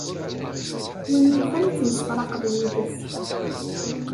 A win yufan ad temsefraqed yid-s.